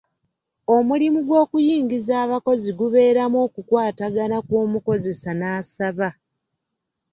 Omulimu gw'okuyingiza abakozi gubeeramu okukwatagana kw'omukozesa n'asaba.